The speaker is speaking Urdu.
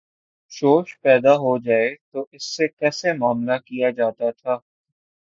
شورش پیدا ہو جائے تو اس سے کیسے معا ملہ کیا جاتا تھا؟